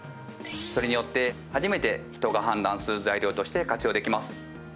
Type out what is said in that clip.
それによって初めて人が判断する材料として活用できます。